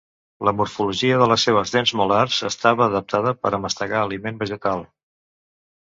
La morfologia de les seves dents molars estava adaptada per a mastegar aliment vegetal.